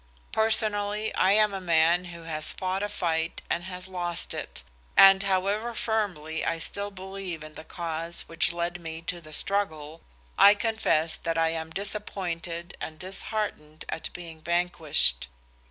Personally, I am a man who has fought a fight and has lost it, and however firmly I still believe in the cause which led me to the struggle, I confess that I am disappointed and disheartened at being vanquished.